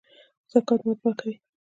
زکات مال پاکوي